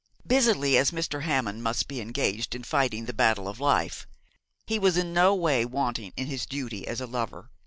Busily as Mr. Hammond must be engaged in fighting the battle of life, he was in no way wanting in his duty as a lover.